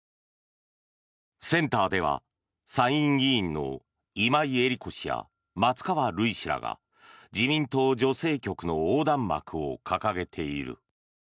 センターでは参院議員の今井絵理子氏や松川るい氏らが自民党女性局の横断幕を掲げている。